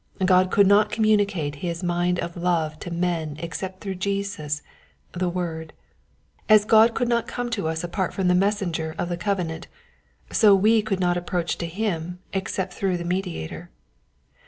God could not communicate his mind of love to men except through Jesus, the Word. As God could not come to us apart from the Messenger of the covenant, so we could not approach to him except through the Mediator.